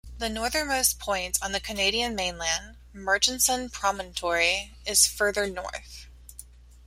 The northernmost point on the Canadian mainland, Murchison Promontory, is farther north.